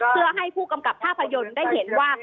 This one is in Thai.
เพื่อให้ผู้กำกับภาพยนตร์ได้เห็นว่า